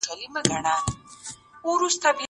که وخت وي، کتاب وليکم!!